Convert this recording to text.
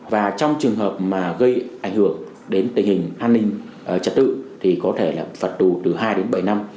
và trong trường hợp mà gây ảnh hưởng đến tình hình an ninh trật tự thì có thể là phạt tù từ hai đến bảy năm